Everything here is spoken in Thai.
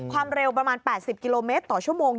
ความเร็วประมาณ๘๐กิโลเมตรต่อชั่วโมง